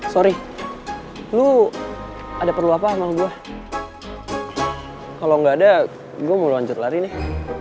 sorry lu ada perlu apa sama gua kalo ga ada gua mau lanjut lari nih